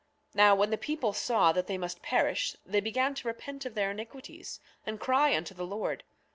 Now when the people saw that they must perish they began to repent of their iniquities and cry unto the Lord.